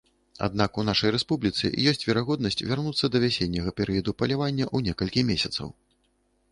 Аднак у нашай рэспубліцы ёсць верагоднасць вярнуцца да вясенняга перыяду палявання ў некалькі месяцаў.